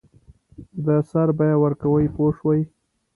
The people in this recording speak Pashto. د سر بیه ورکوي پوه شوې!.